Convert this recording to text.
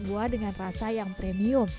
buah dengan rasa yang premium